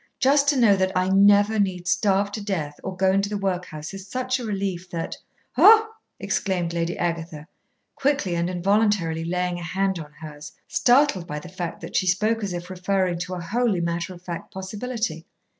Just to know that I never need starve to death or go into the workhouse is such a relief that " "Oh!" exclaimed Lady Agatha, quickly and involuntarily laying a hand on hers, startled by the fact that she spoke as if referring to a wholly matter of fact possibility.